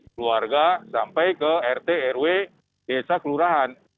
keluarga sampai ke rt rw desa kelurahan